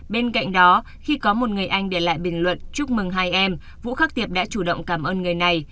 bên cạnh đó khi có một người anh để lại bình luận chúc mừng hai em vũ khắc tiệp đã chủ động cảm ơn người này